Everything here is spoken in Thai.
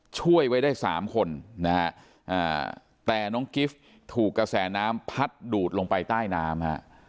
ช่วยไว้ได้๓คนนะฮะแต่น้องกิฟต์ถูกกระแสน้ำพัดดูดลงไปใต้น้ำฮะ